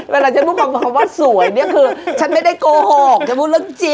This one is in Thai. เวลาฉันพูดความว่าสวยเนี่ยคือฉันไม่ได้โกหกฉันพูดเรื่องจริง